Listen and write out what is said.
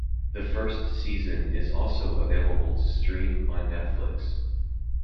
The first season is also available to stream on Netflix.